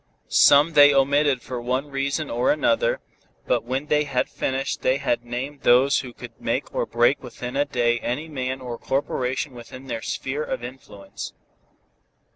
Some they omitted for one reason or another, but when they had finished they had named those who could make or break within a day any man or corporation within their sphere of influence.